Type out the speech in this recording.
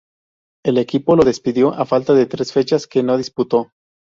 El equipo lo despidió a falta de tres fechas, que no disputó.